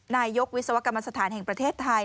นายกวิศวกรรมสถานแห่งประเทศไทย